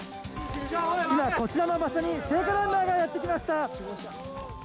今こちらの場所に聖火ランナーがやってきました。